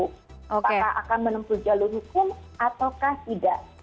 apakah akan menempuh jalur hukum ataukah tidak